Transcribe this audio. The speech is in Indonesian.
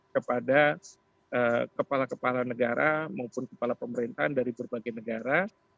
kepada kepala kepala negara maupun kepala pemerintahan dari berbagai negara